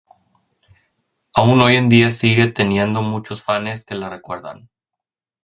Aun hoy en día sigue teniendo muchos fanes que la recuerdan.